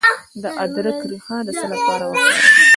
د ادرک ریښه د څه لپاره وکاروم؟